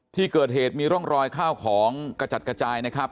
ที่เกิดเหตุมีร่องรอยข้าวของกระจัดกระจายนะครับ